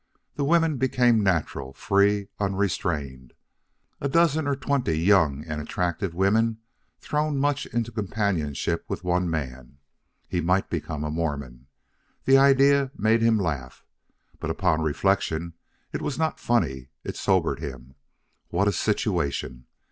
The women became natural, free, and unrestrained. A dozen or twenty young and attractive women thrown much into companionship with one man. He might become a Mormon. The idea made him laugh. But upon reflection it was not funny; it sobered him. What a situation!